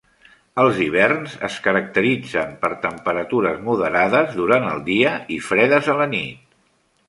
Els hiverns es caracteritzen per temperatures moderades durant el dia i fredes a la nit.